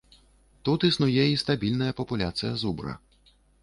Тут існуе і стабільная папуляцыя зубра.